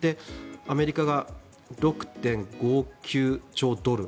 アメリカが６．５９兆ドル。